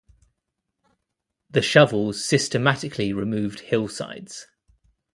The shovels systematically removed hillsides.